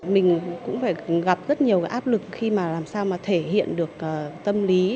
mình cũng phải gặp rất nhiều cái áp lực khi mà làm sao mà thể hiện được tâm lý